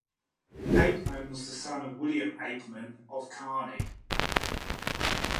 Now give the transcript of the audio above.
Aikman was the son of William Aikman, of Cairney.